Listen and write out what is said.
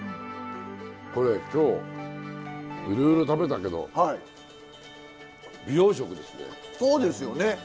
これ今日いろいろ食べたけど美容食ですね。